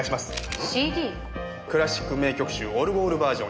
『クラシック名曲集オルゴールバージョン』。